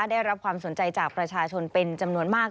ได้รับความสนใจจากประชาชนเป็นจำนวนมาก